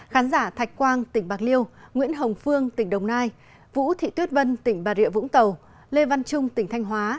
khán giả thạch quang tỉnh bạc liêu nguyễn hồng phương tỉnh đồng nai vũ thị tuyết vân tỉnh bà rịa vũng tàu lê văn trung tỉnh thanh hóa